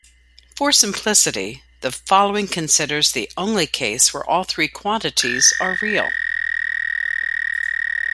For simplicity, the following considers only the case where all these quantities are real.